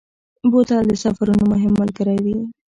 بوتل د سفرونو مهم ملګری وي.